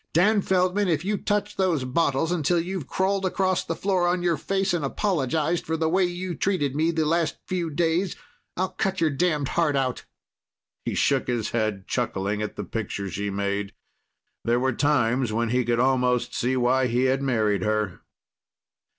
"Dan Feldman, if you touch those bottles until you've crawled across the floor on your face and apologized for the way you treated me the last few days, I'll cut your damned heart out." He shook his head, chuckling at the picture she made. There were times when he could almost see why he'd married her.